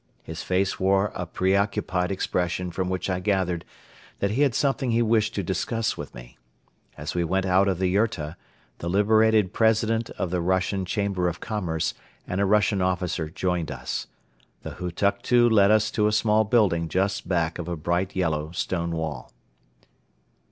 His face wore a preoccupied expression from which I gathered that he had something he wished to discuss with me. As we went out of the yurta, the liberated President of the Russian Chamber of Commerce and a Russian officer joined us. The Hutuktu led us to a small building just back of a bright yellow stone wall.